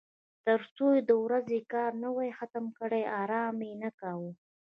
تر څو یې د ورځې کار نه وای ختم کړی ارام یې نه کاوه.